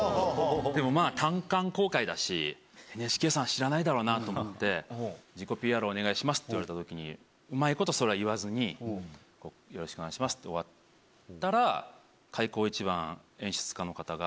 でもまぁ単館公開だしＮＨＫさんは知らないだろうなと思って「自己ＰＲお願いします」って言われたときにうまいことそれは言わずに「よろしくお願いします」って終わったら開口一番演出家の方が。